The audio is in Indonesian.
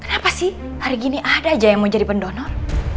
kenapa sih hari gini ada aja yang mau jadi pendonor